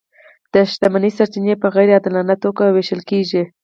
د شتمنۍ سرچینې په غیر عادلانه توګه وېشل کیږي.